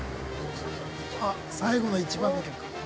あっ最後の一番の客。